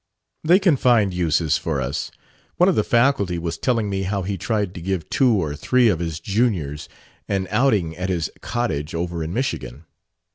"They can find uses for us. One of the faculty was telling me how he tried to give two or three of his juniors an outing at his cottage over in Michigan.